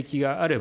ば